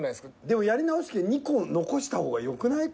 でもやり直し権２個残した方がよくない？